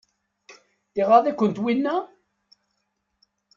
Iɣaḍ-ikent winna?